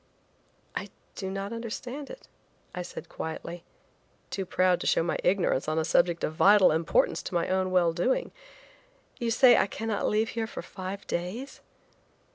"I do not understand it," I said quietly, too proud to show my ignorance on a subject of vital importance to my well doing. "You say I cannot leave here for five days?"